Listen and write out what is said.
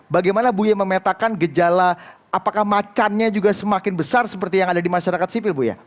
bagaimana buya memetakan gejala apakah macannya juga semakin besar seperti yang ada di masyarakat sipil buya